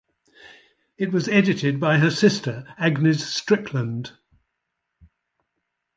It was edited by her sister Agnes Strickland.